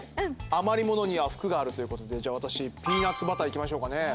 余り物には福があるということでじゃ私ピーナツバターいきましょうかね。